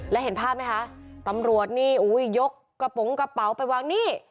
แล้วเห็นภาพไหมคะตำรวจนี่อุ้ยยกกระโปรงกระเป๋าไปวางนี่